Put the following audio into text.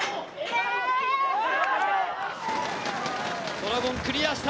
ドラゴンクリアした。